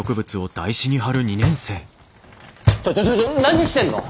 ちょちょちょ何してんの！？